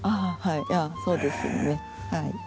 はいそうですね。